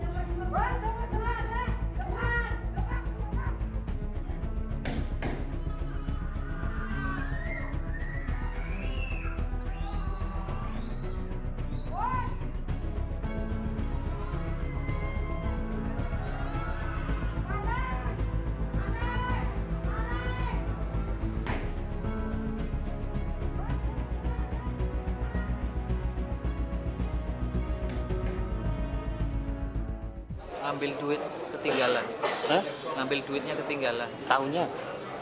pengembangan yang kita lakukan